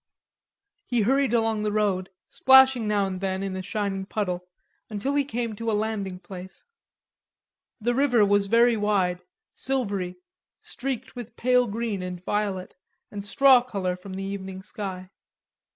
He hurried along the road, splashing now and then in a shining puddle, until he came to a landing place. The river was very wide, silvery, streaked with pale green and violet, and straw color from the evening sky.